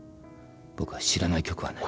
僕は知らない曲はない。